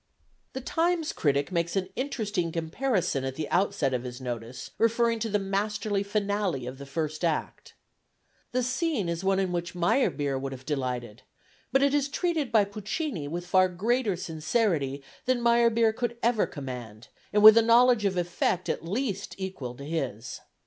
The Times critic makes an interesting comparison at the outset of his notice, referring to the masterly finale of the first act: "The scene is one in which Meyerbeer would have delighted, but it is treated by Puccini with far greater sincerity than Meyerbeer could ever command, and with a knowledge of effect at least equal to his."